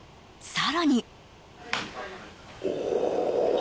更に。